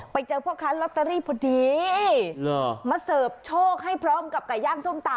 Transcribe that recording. ไปเจอพ่อค้าลอตเตอรี่พอดีมาเสิร์ฟโชคให้พร้อมกับไก่ย่างส้มตำ